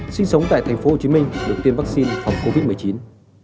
sinh sống tại thành phố hồ chí minh được tiêm vaccine phòng covid một mươi chín